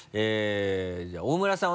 じゃあ大村さん